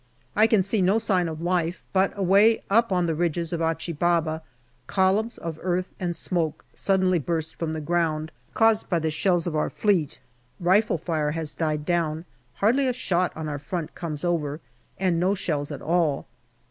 I can see no sign of life, but away up on the ridges of Achi Baba columns of earth and smoke suddenly burst from the ground, caused by the shells of our Fleet. Rifle fire has died down ; hardly a shot on our front comes over, and no shells at all.